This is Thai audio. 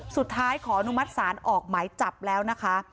สุดท้ายขออนุมัติศาลออกไม้จับแล้วนะคะ